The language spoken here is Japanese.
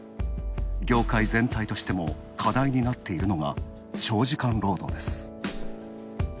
業界全体としても課題になっているのが長時間労働です。